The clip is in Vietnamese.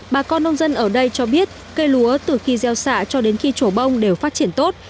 bà con nông dân ở đây cho biết cây lúa từ khi gieo xạ cho đến khi trổ bông đều phát triển tốt